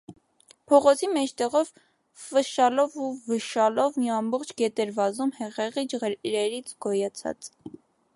Փողոցի մեջտեղով, փշշալով ու վշշալով, մի ամբողջ գետ էր վազում հեղեղի ջրերից գոյացած: